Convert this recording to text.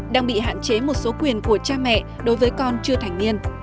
đang bị hạn chế một số quyền của cha mẹ đối với con chưa thành niên